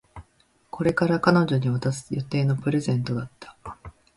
これから彼女に渡す予定のプレゼントだった